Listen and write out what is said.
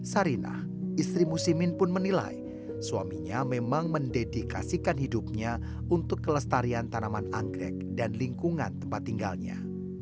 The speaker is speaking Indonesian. sarinah istri musimin pun menilai suaminya memang mendedikasikan hidupnya untuk kelestarian tanaman anggrek dan lingkungan tempat tinggalnya